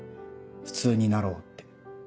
「普通になろう」って。